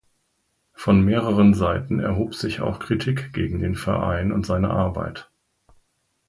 Von mehreren Seiten erhob sich auch Kritik gegen den Verein und seine Arbeit.